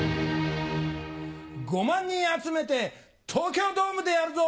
５万人集めて東京ドームでやるぞ！